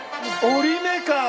折り目か。